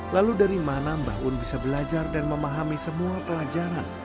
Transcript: lalu dari mana mbah un bisa belajar dan memahami semua pelajaran